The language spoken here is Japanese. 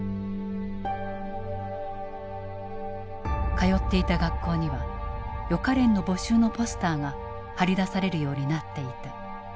通っていた学校には予科練の募集のポスターが貼り出されるようになっていた。